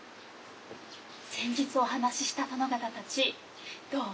先日お話しした殿方たちどう？